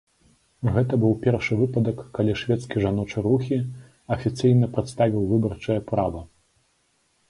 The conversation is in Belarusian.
Гэта быў першы выпадак, калі шведскі жаночы рухі афіцыйна прадставіў выбарчае права.